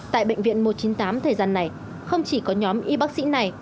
tại bệnh viện một trăm chín mươi tám thời gian này không chỉ có nhóm y bác sĩ này